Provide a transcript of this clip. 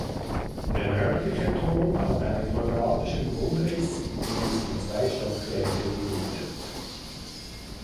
Der nördliche Turm hat einen quadratischen Grundriss und ist in zwei Stockwerke gegliedert.